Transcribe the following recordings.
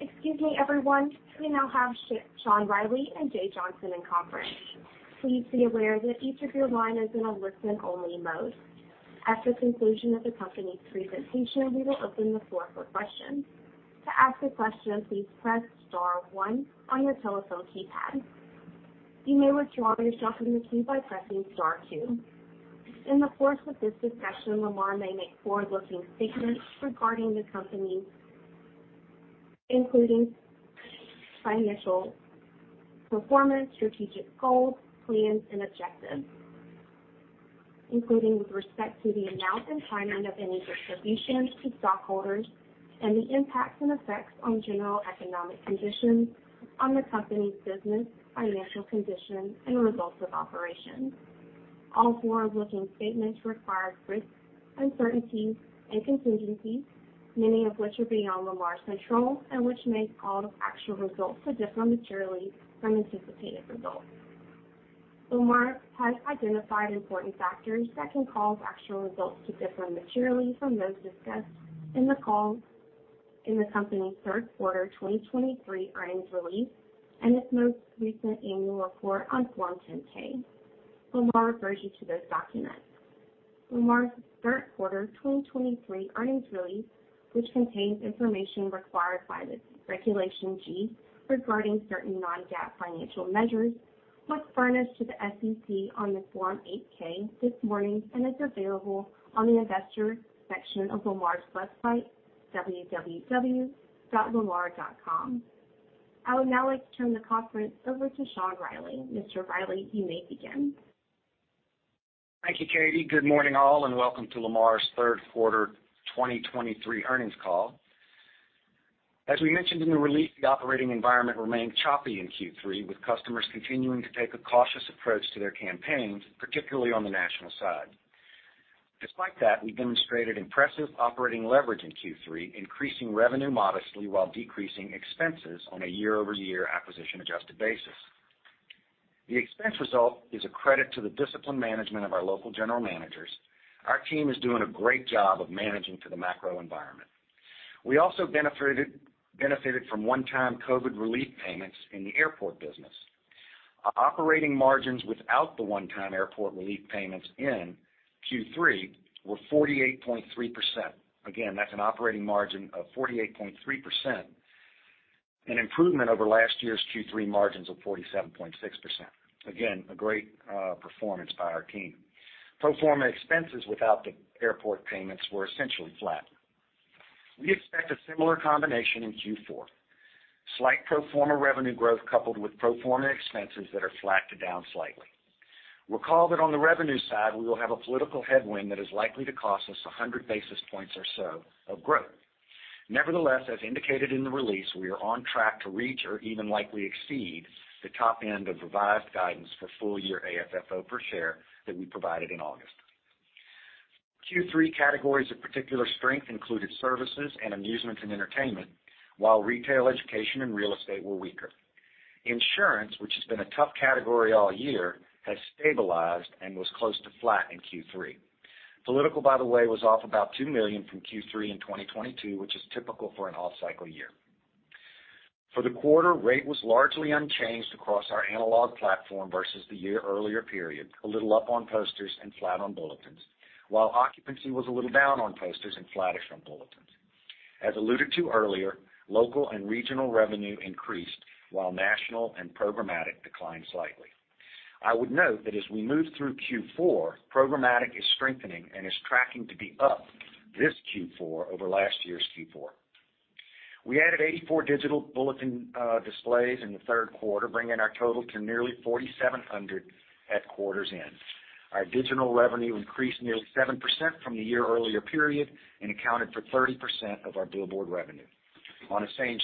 Excuse me, everyone. We now have Sean Reilly and Jay Johnson in conference. Please be aware that each of your line is in a listen-only mode. At the conclusion of the company's presentation, we will open the floor for questions. To ask a question, please press star one on your telephone keypad. You may withdraw yourself from the queue by pressing star two. In the course of this discussion, Lamar may make forward-looking statements regarding the company, including financial performance, strategic goals, plans, and objectives, including with respect to the amount and timing of any distributions to stockholders and the impacts and effects on general economic conditions on the company's business, financial condition, and results of operations. All forward-looking statements require risks, uncertainties, and contingencies, many of which are beyond Lamar's control and which may cause actual results to differ materially from anticipated results. Lamar has identified important factors that can cause actual results to differ materially from those discussed in the call in the company's third quarter 2023 earnings release and its most recent annual report on Form 10-K. Lamar refers you to those documents. Lamar's third quarter 2023 earnings release, which contains information required by the Regulation G regarding certain non-GAAP financial measures, was furnished to the SEC on the Form 8-K this morning and is available on the investors section of Lamar's website, www.lamar.com. I would now like to turn the conference over to Sean Reilly. Mr. Reilly, you may begin. Thank you, Katie. Good morning, all, and welcome to Lamar's third quarter 2023 earnings call. As we mentioned in the release, the operating environment remained choppy in Q3, with customers continuing to take a cautious approach to their campaigns, particularly on the national side. Despite that, we demonstrated impressive operating leverage in Q3, increasing revenue modestly while decreasing expenses on a year-over-year acquisition-adjusted basis. The expense result is a credit to the disciplined management of our local general managers. Our team is doing a great job of managing to the macro environment. We also benefited from one-time COVID relief payments in the airport business. Operating margins without the one-time airport relief payments in Q3 were 48.3%. Again, that's an operating margin of 48.3%, an improvement over last year's Q3 margins of 47.6%. Again, a great performance by our team. Pro forma expenses without the airport payments were essentially flat. We expect a similar combination in Q4. Slight pro forma revenue growth coupled with pro forma expenses that are flat to down slightly. Recall that on the revenue side, we will have a political headwind that is likely to cost us 100 basis points or so of growth. Nevertheless, as indicated in the release, we are on track to reach or even likely exceed the top end of revised guidance for full-year AFFO per share that we provided in August. Q3 categories of particular strength included services and amusement and entertainment, while retail, education, and real estate were weaker. Insurance, which has been a tough category all year, has stabilized and was close to flat in Q3. Political, by the way, was off about $2 million from Q3 in 2022, which is typical for an off-cycle year. For the quarter, rate was largely unchanged across our analog platform versus the year earlier period, a little up on posters and flat on bulletins, while occupancy was a little down on posters and flattish on bulletins. As alluded to earlier, local and regional revenue increased, while national and programmatic declined slightly. I would note that as we move through Q4, programmatic is strengthening and is tracking to be up this Q4 over last year's Q4. We added 84 digital bulletin displays in the third quarter, bringing our total to nearly 4,700 at quarter's end. Our digital revenue increased nearly 7% from the year earlier period and accounted for 30% of our billboard revenue. On the same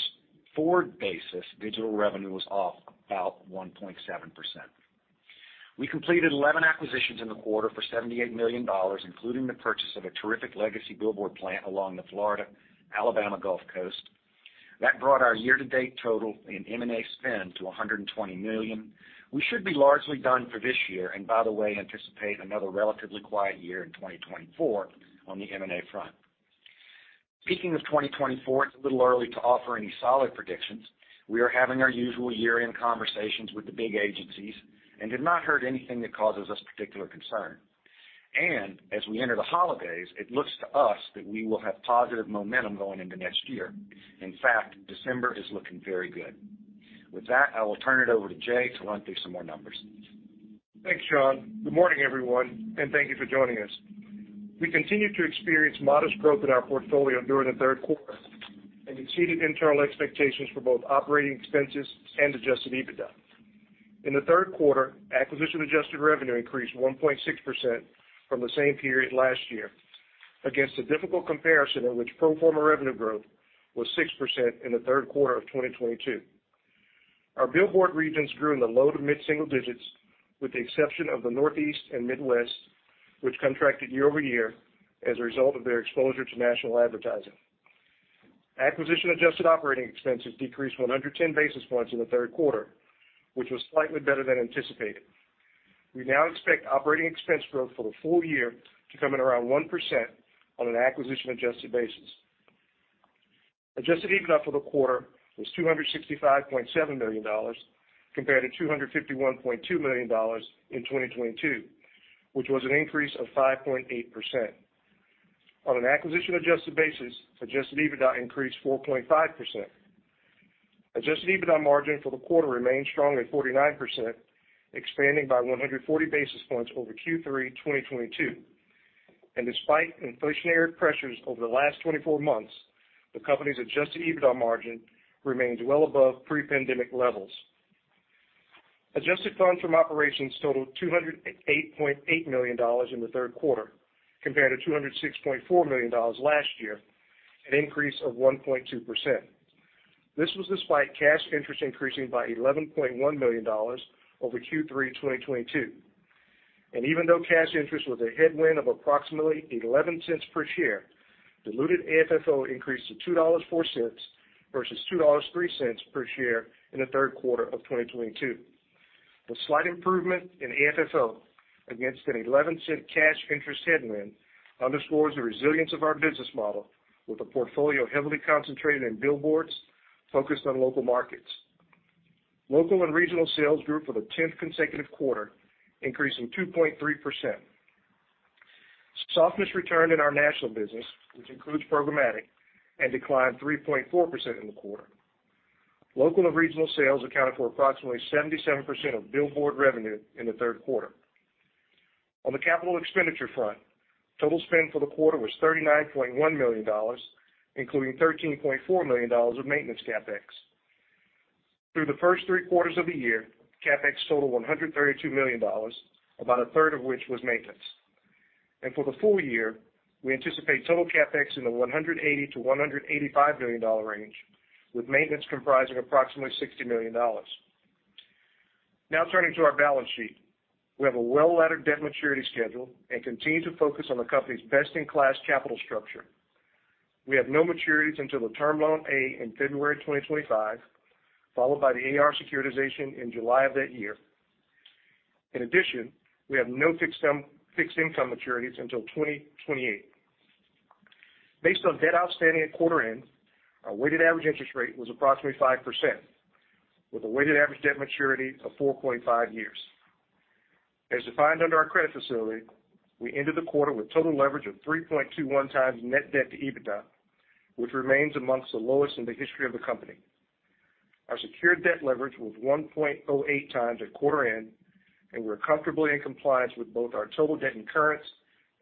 forward basis, digital revenue was off about 1.7%. We completed 11 acquisitions in the quarter for $78 million, including the purchase of a terrific legacy billboard plant along the Florida, Alabama Gulf Coast. That brought our year-to-date total in M&A spend to $120 million. We should be largely done for this year, and by the way, anticipate another relatively quiet year in 2024 on the M&A front. Speaking of 2024, it's a little early to offer any solid predictions. We are having our usual year-end conversations with the big agencies and have not heard anything that causes us particular concern. And as we enter the holidays, it looks to us that we will have positive momentum going into next year. In fact, December is looking very good. With that, I will turn it over to Jay to run through some more numbers. Thanks, Sean. Good morning, everyone, and thank you for joining us. We continued to experience modest growth in our portfolio during the third quarter and exceeded internal expectations for both operating expenses and Adjusted EBITDA. In the third quarter, acquisition-adjusted revenue increased 1.6% from the same period last year, against a difficult comparison in which pro forma revenue growth was 6% in the third quarter of 2022. Our billboard regions grew in the low to mid-single digits, with the exception of the Northeast and Midwest, which contracted year-over-year as a result of their exposure to national advertising. Acquisition-adjusted operating expenses decreased 110 basis points in the third quarter, which was slightly better than anticipated. We now expect operating expense growth for the full year to come in around 1% on an acquisition-adjusted basis. Adjusted EBITDA for the quarter was $265.7 million, compared to $251.2 million in 2022, which was an increase of 5.8%. On an acquisition-adjusted basis, adjusted EBITDA increased 4.5%. Adjusted EBITDA margin for the quarter remained strong at 49%, expanding by 140 basis points over Q3 2022. Despite inflationary pressures over the last 24 months, the company's adjusted EBITDA margin remains well above pre-pandemic levels. Adjusted Funds From Operations totaled $208.8 million in the third quarter, compared to $206.4 million last year, an increase of 1.2%. This was despite cash interest increasing by $11.1 million over Q3 2022. And even though cash interest was a headwind of approximately $0.11 per share, diluted AFFO increased to $2.04 versus $2.03 per share in the third quarter of 2022. The slight improvement in AFFO against an 11-cent cash interest headwind underscores the resilience of our business model, with a portfolio heavily concentrated in billboards focused on local markets. Local and regional sales grew for the 10th consecutive quarter, increasing 2.3%. Softness returned in our national business, which includes programmatic, and declined 3.4% in the quarter. Local and regional sales accounted for approximately 77% of billboard revenue in the third quarter. On the capital expenditure front, total spend for the quarter was $39.1 million, including $13.4 million of maintenance CapEx. Through the first three quarters of the year, CapEx totaled $132 million, about a third of which was maintenance. For the full year, we anticipate total CapEx in the $180 million-$185 million range, with maintenance comprising approximately $60 million. Now turning to our balance sheet. We have a well-laddered debt maturity schedule and continue to focus on the company's best-in-class capital structure. We have no maturities until the Term Loan A in February 2025, followed by the AR securitization in July of that year. In addition, we have no fixed income maturities until 2028. Based on debt outstanding at quarter end, our weighted average interest rate was approximately 5%, with a weighted average debt maturity of 4.5 years. As defined under our credit facility, we ended the quarter with total leverage of 3.21x net debt to EBITDA, which remains amongst the lowest in the history of the company. Our secured debt leverage was 1.08x at quarter end, and we're comfortably in compliance with both our total debt incurrence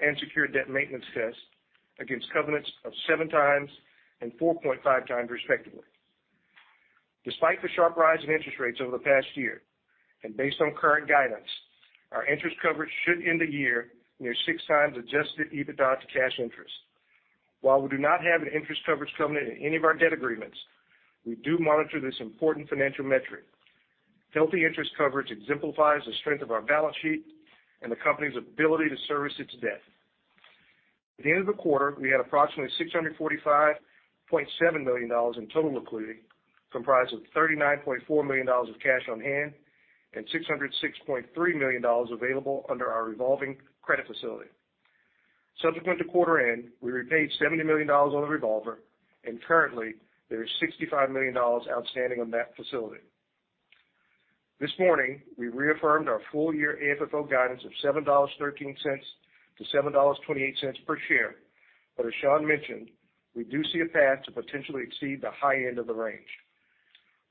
and secured debt maintenance tests against covenants of 7x and 4.5x, respectively. Despite the sharp rise in interest rates over the past year, and based on current guidance, our interest coverage should end the year near 6x adjusted EBITDA to cash interest. While we do not have an interest coverage covenant in any of our debt agreements, we do monitor this important financial metric. Healthy interest coverage exemplifies the strength of our balance sheet and the company's ability to service its debt. At the end of the quarter, we had approximately $645.7 million in total liquidity, comprised of $39.4 million of cash on hand and $606.3 million available under our revolving credit facility. Subsequent to quarter end, we repaid $70 million on the revolver, and currently, there is $65 million outstanding on that facility. This morning, we reaffirmed our full-year AFFO guidance of $7.13-$7.28 per share. But as Sean mentioned, we do see a path to potentially exceed the high end of the range.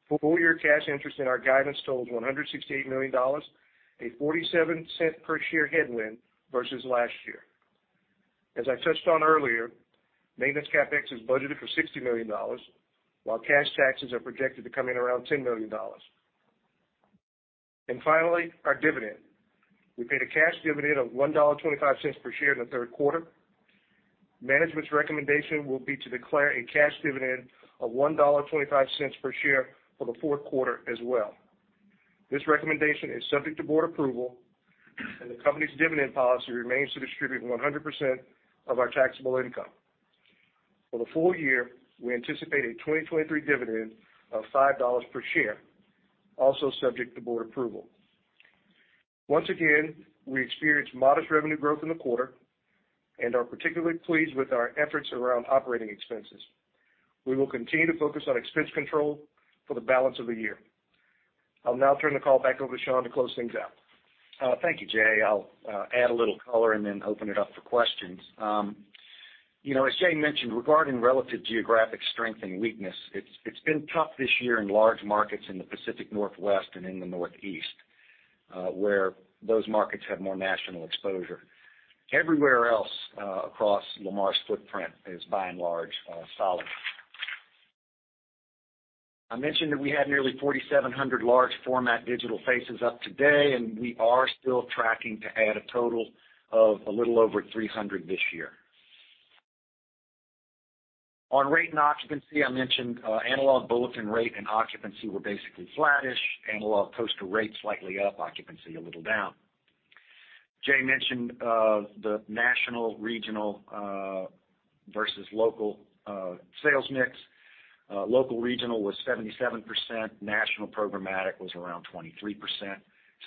Full-year cash interest in our guidance totals $168 million, a $0.47 per share headwind versus last year. As I touched on earlier, maintenance CapEx is budgeted for $60 million, while cash taxes are projected to come in around $10 million. Finally, our dividend. We paid a cash dividend of $1.25 per share in the third quarter. Management's recommendation will be to declare a cash dividend of $1.25 per share for the fourth quarter as well. This recommendation is subject to board approval, and the company's dividend policy remains to distribute 100% of our taxable income. For the full year, we anticipate a 2023 dividend of $5 per share, also subject to board approval. Once again, we experienced modest revenue growth in the quarter and are particularly pleased with our efforts around operating expenses. We will continue to focus on expense control for the balance of the year. I'll now turn the call back over to Sean to close things out. Thank you, Jay. I'll add a little color and then open it up for questions. You know, as Jay mentioned, regarding relative geographic strength and weakness, it's been tough this year in large markets in the Pacific Northwest and in the Northeast, where those markets have more national exposure. Everywhere else, across Lamar's footprint is, by and large, solid. I mentioned that we had nearly 4,700 large format digital faces up to date, and we are still tracking to add a total of a little over 300 this year. On rate and occupancy, I mentioned, analog bulletin rate and occupancy were basically flattish, analog poster rates slightly up, occupancy a little down. Jay mentioned, the national, regional, versus local, sales mix. Local regional was 77%, national programmatic was around 23%.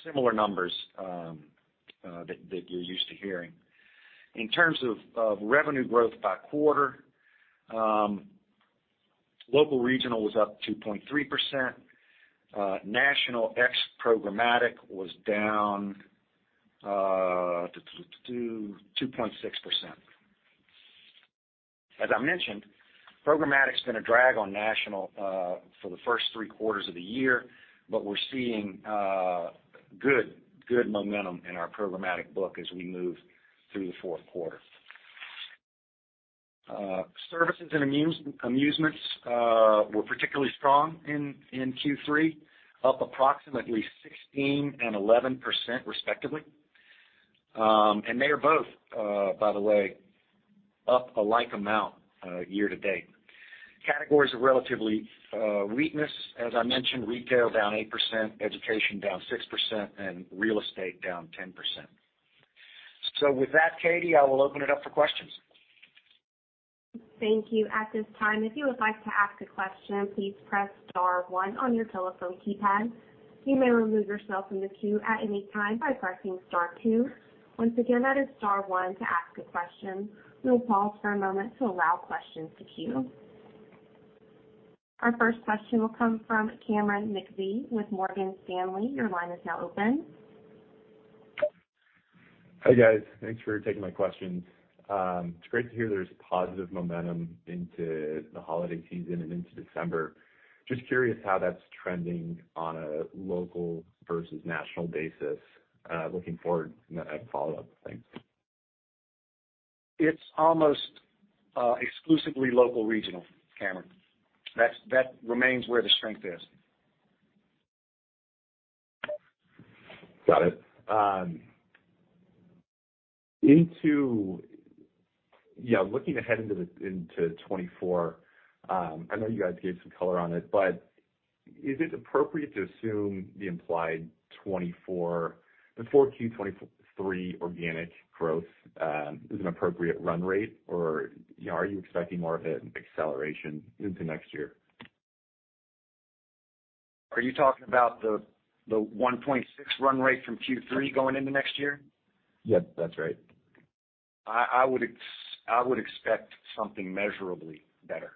Similar numbers that you're used to hearing. In terms of revenue growth by quarter, local regional was up 2.3%. National ex programmatic was down 2.6%. As I mentioned, programmatic's been a drag on national for the first three quarters of the year, but we're seeing good momentum in our programmatic book as we move through the fourth quarter. Services and amusements were particularly strong in Q3, up approximately 16 and 11% respectively. And they are both, by the way, up a like amount year to date. Categories of relatively weakness, as I mentioned, retail down 8%, education down 6%, and real estate down 10%. So with that, Katie, I will open it up for questions. Thank you. At this time, if you would like to ask a question, please press star one on your telephone keypad. You may remove yourself from the queue at any time by pressing star two. Once again, that is star one to ask a question. We'll pause for a moment to allow questions to queue. Our first question will come from Cameron McVeigh with Morgan Stanley. Your line is now open. Hi, guys. Thanks for taking my questions. It's great to hear there's positive momentum into the holiday season and into December. Just curious how that's trending on a local versus national basis, looking forward in a follow-up? Thanks. It's almost exclusively local regional, Cameron. That remains where the strength is. Got it. Yeah, looking ahead into 2024, I know you guys gave some color on it, but is it appropriate to assume the implied 2024, the 4Q 2023 organic growth, is an appropriate run rate, or, you know, are you expecting more of an acceleration into next year? Are you talking about the 1.6 run rate from Q3 going into next year? Yep, that's right. I would expect something measurably better.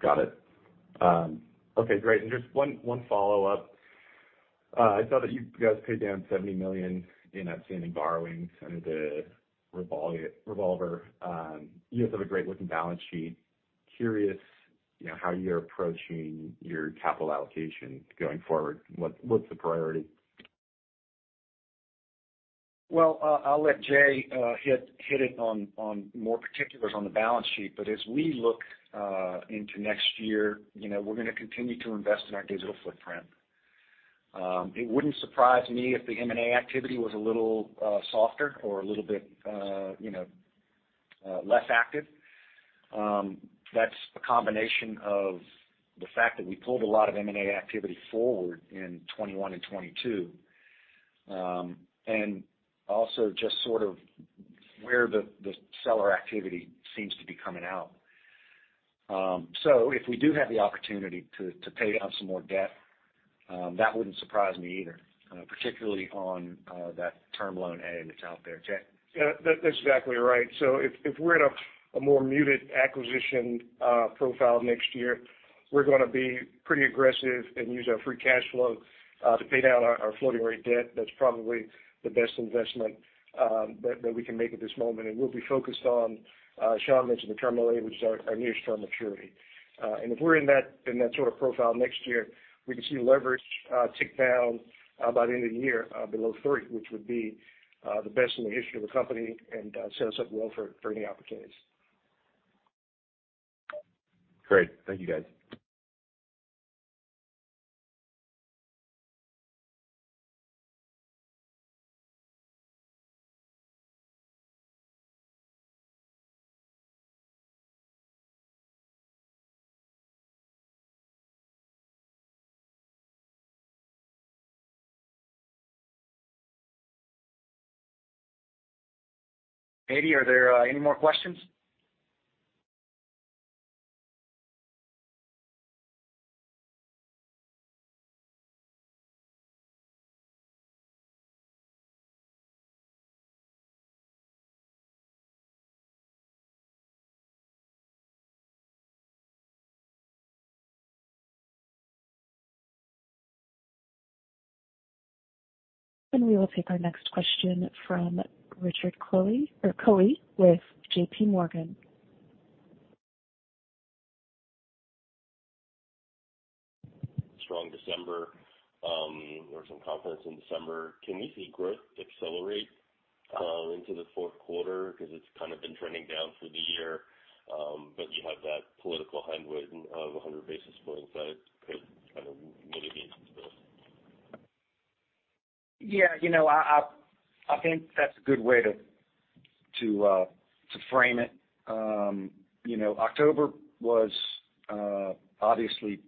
Got it. Okay, great. And just one follow-up. I saw that you guys paid down $70 million in outstanding borrowings under the revolver. You guys have a great looking balance sheet. Curious, you know, how you're approaching your capital allocation going forward. What's the priority? Well, I'll let Jay hit it on more particulars on the balance sheet, but as we look into next year, you know, we're gonna continue to invest in our digital footprint. It wouldn't surprise me if the M&A activity was a little softer or a little bit, you know, less active. That's a combination of the fact that we pulled a lot of M&A activity forward in 2021 and 2022, and also just sort of where the seller activity seems to be coming out. So if we do have the opportunity to pay down some more debt, that wouldn't surprise me either, particularly on that Term Loan A that's out there. Jay? Yeah, that's exactly right. So if we're in a more muted acquisition profile next year, we're gonna be pretty aggressive and use our free cash flow to pay down our floating rate debt. That's probably the best investment that we can make at this moment. We'll be focused on, Sean mentioned the Term Loan A, which is our nearest term maturity. And if we're in that sort of profile next year, we can see leverage tick down by the end of the year below three, which would be the best in the history of the company and set us up well for any opportunities. Great. Thank you, guys. Katie, are there any more questions? We will take our next question from Richard Choe with J.P. Morgan. Strong December. There was some confidence in December. Can we see growth accelerate into the fourth quarter? Because it's kind of been trending down for the year, but you have that political headwind of 100 basis points that could kind of mitigate this. Yeah, you know, I think that's a good way to frame it. You know, October was obviously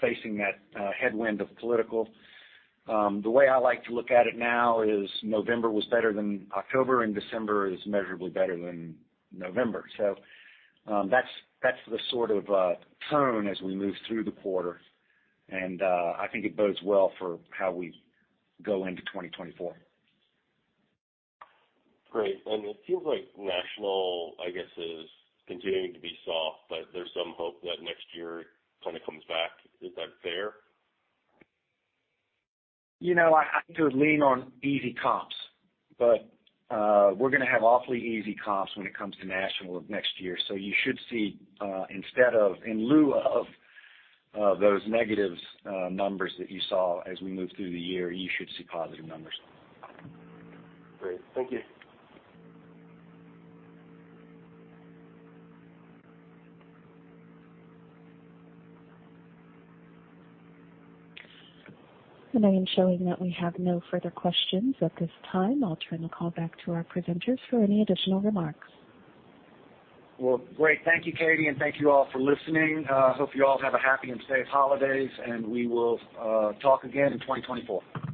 facing that headwind of political. The way I like to look at it now is November was better than October, and December is measurably better than November. So, that's the sort of tone as we move through the quarter, and I think it bodes well for how we go into 2024. Great. It seems like national, I guess, is continuing to be soft, but there's some hope that next year kind of comes back. Is that fair? You know, I could lean on easy comps, but we're gonna have awfully easy comps when it comes to national of next year. So you should see, instead of, in lieu of, those negatives, numbers that you saw as we move through the year, you should see positive numbers. Great. Thank you. I am showing that we have no further questions at this time. I'll turn the call back to our presenters for any additional remarks. Well, great. Thank you, Katie, and thank you all for listening. Hope you all have a happy and safe holidays, and we will talk again in 2024.